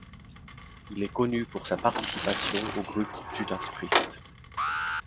Il est connu pour sa participation au groupe Judas Priest.